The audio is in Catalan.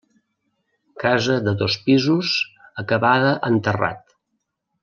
Casa de dos pisos acabada en terrat.